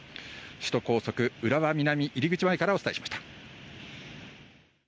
首都高速浦和南入口前からお伝えしました。